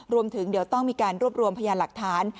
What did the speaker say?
รวมถึงเดี๋ยวต้องมีการรวบรวมพยานหลักฐาน